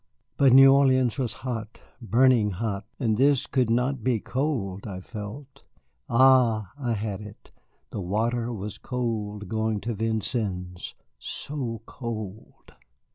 But New Orleans was hot, burning hot, and this could not be cold I felt. Ah, I had it, the water was cold going to Vincennes, so cold!